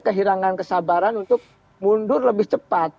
kehilangan kesabaran untuk mundur lebih cepat